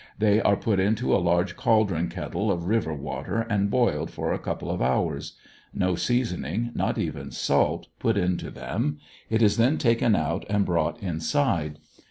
They are put into a large caldron kettle of river water and boiled for a couple of hours. No seasonmg, not even salt put into them. It is then taken out and brought inside.